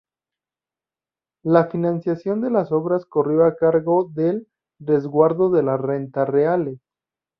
La financiación de las obras corrió a cargo del "Resguardo de las Rentas Reales".